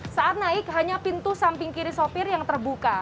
saat naik hanya pintu samping kiri sopir yang terbuka